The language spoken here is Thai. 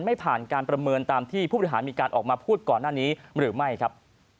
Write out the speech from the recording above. ไม่ผ่านการประเมินตามที่ผู้บริหารมีการออกมาพูดก่อนหน้านี้หรือไม่ครับ